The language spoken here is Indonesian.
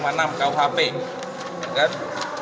dilanggar oleh andre rosiade ya